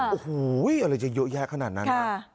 โอ้โหอะไรจะเยอะแยะขนาดนั้นนะ